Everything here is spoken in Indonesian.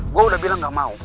gue udah bilang gak mau